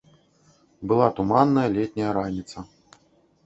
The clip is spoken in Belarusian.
Была туманная летняя раніца.